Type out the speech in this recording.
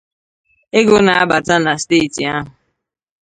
ego na-abàta na steeti ahụ